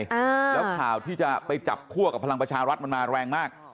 อ่าแล้วข่าวที่จะไปจับคั่วกับพลังประชารัฐมันมาแรงมาก